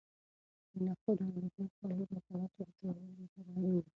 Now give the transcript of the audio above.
د نخودو او لوبیا خوړل د عضلاتو د جوړولو لپاره اړین دي.